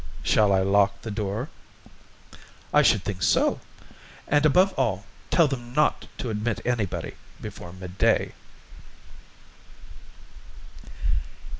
"Shall I lock the door?" "I should think so! And above all, tell them not to admit anybody before midday."